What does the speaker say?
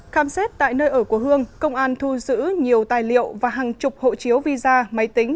khám xét tại nơi ở của hương công an thu giữ nhiều tài liệu và hàng chục hộ chiếu visa máy tính